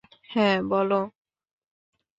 হ্যাঁ, বল!